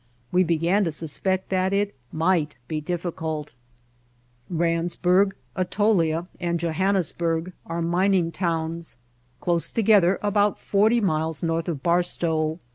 We began to suspect that it might be diflli cult. Randsburg, Atolia and Johannesburg are mining towns close together about forty miles north of Barstow.